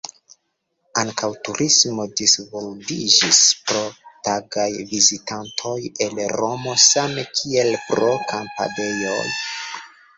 Ankaŭ turismo disvolviĝis, pro tagaj vizitantoj el Romo same kiel pro kampadejoj.